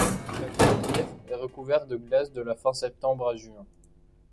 Le lac Taïmyr est recouvert de glace de la fin de septembre à juin.